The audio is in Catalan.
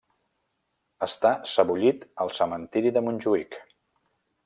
Està sebollit al Cementiri de Montjuïc.